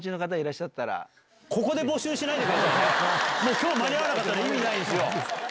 今日間に合わなかったら意味ないんですよ！